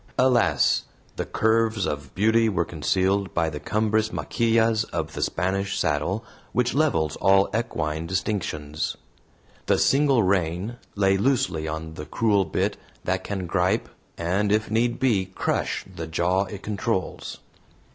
Alas! the curves of beauty were concealed by the cumbrous MACHILLAS of the Spanish saddle, which levels all equine distinctions. The single rein lay loosely on the cruel bit that can gripe, and if need be, crush the jaw it controls.